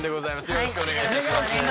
よろしくお願いします。